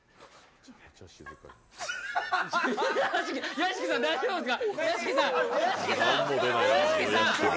屋敷さん、大丈夫ですか？